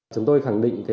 chúng tôi khẳng định